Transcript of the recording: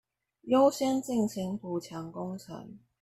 優先進行補強工程